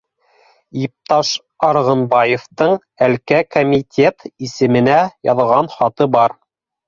Иптәш Арғынбаевтың әлкә комитет исеменә яҙған хаты бар